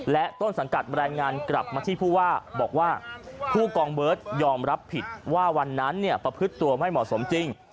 และต้นสังกัดแรงงานกลับมาที่ผู้ว่าบอกว่าผู้กองเบิร์ตยอมรับผิดว่าวันนั้นประพฤติตัวไม่เหมาะสมจริง